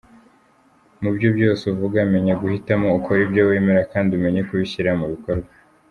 Mu byo byose uvuga menya guhitamo, ukore ibyo wemera kandi umenye kubishyira mu bikorwa.